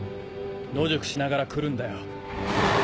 野宿しながら来るんだよ。